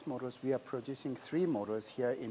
kami memproduksi tiga model di